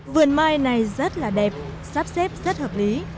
vườn mai này rất là đẹp sắp xếp rất hợp lý